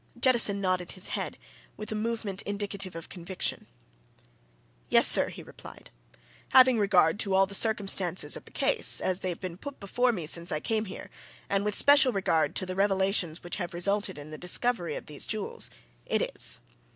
Jettison nodded his head, with a movement indicative of conviction. "Yes, sir!" he replied. "Having regard to all the circumstances of the case, as they've been put before me since I came here, and with special regard to the revelations which have resulted in the discovery of these jewels, it is!